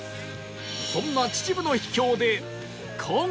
そんな秩父の秘境で今回